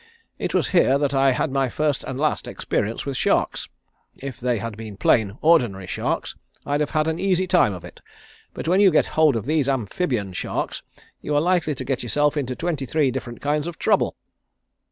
It was here that I had my first and last experience with sharks. If they had been plain, ordinary sharks I'd have had an easy time of it, but when you get hold of these Amphibian sharks you are likely to get yourself into twenty three different kinds of trouble."